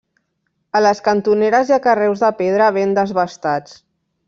A les cantoneres hi ha carreus de pedra ben desbastats.